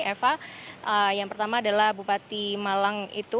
eva yang pertama adalah bupati malang itu